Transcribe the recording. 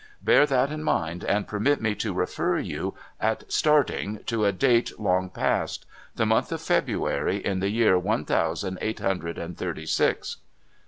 Bear that in mind, and permit me to refer you, at starting, to a date long past — the month of February, in the year one thousand eight hundred and thirty six.'